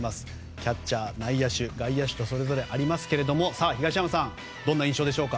キャッチャー、内野手、外野手とそれぞれありますが東山さん、どんな印象でしょう。